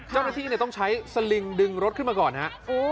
เจ้าหน้าที่ต้องใช้สลิงดึงรถขึ้นมาก่อนฮะ